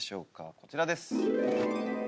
こちらです。